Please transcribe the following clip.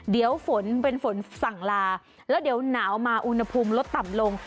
เดี๋ยวฝนเป็นฝนสั่งลาแล้วเดี๋ยวหนาวมาอุณหภูมิลดต่ำลง